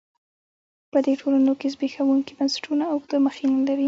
په دې ټولنو کې زبېښونکي بنسټونه اوږده مخینه لري.